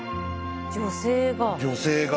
女性が。